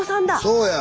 そうや！